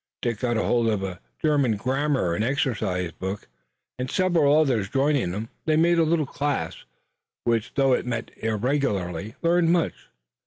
Dick got hold of a German grammar and exercise book, and, several others joining him, they made a little class, which though it met irregularly, learned much.